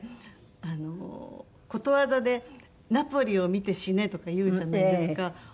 あのことわざで「ナポリを見て死ね」とかいうじゃないですか。